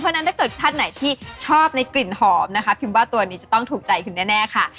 เพราะฉะนั้นถ้าเกิดท่านไหนที่ชอบในกลิ่นหอมนะคะพิมว่าตัวนี้จะต้องถูกใจคุณแน่ค่ะ